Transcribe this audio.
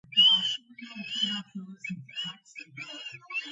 ეს დაკავშირებულია იმასთან, რომ ვიკინგების მოსვლამდე აქ იკრიბებოდნენ ირლანდიელი თავადები.